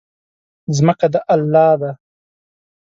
ځمکه د الله ده.